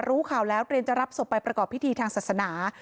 รู้ข่าวแล้วเตรียมจะรับศพไปประกอบพิธีทางศาสนา